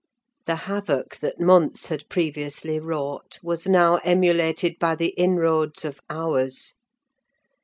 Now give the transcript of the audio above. The havoc that months had previously wrought was now emulated by the inroads of hours.